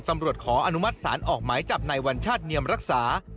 ขออนุมัติศาลออกหมายจับในวัญชาติเนียมรักษา